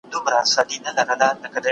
نن مي له زلمیو په دې خپلو غوږو واورېده